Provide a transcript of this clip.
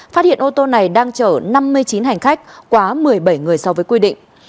phát hiện ô tô này đang chở năm mươi chín hành khách quá một mươi bảy người so với quy định